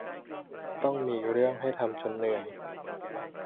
ต้องมีเรื่องให้ทำจนเหนื่อย